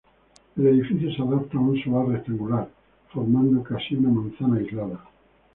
El edificio se adapta a un solar rectangular formando casi una manzana aislada.